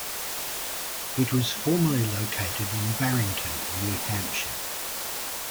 It was formerly located in Barrington, New Hampshire.